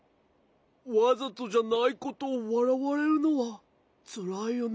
わざとじゃないことをわらわれるのはつらいよね。